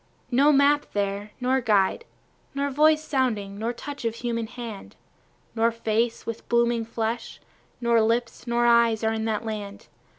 No map there, nor guide, Nor voice sounding, nor touch of human hand, Nor face with blooming flesh, nor lips, nor eyes, are in that land.